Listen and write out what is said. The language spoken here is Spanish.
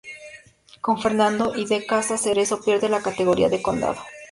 Con Fernando I de Castilla Cerezo pierde la categoría de condado.